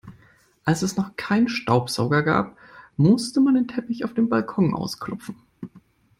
Als es noch keine Staubsauger gab, musste man den Teppich auf dem Balkon ausklopfen.